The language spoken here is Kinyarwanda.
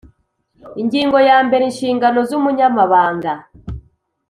Ingingo ya mbere Inshingano z Umunyamabanga